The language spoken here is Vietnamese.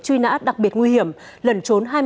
truy nã đặc biệt nguy hiểm lần trốn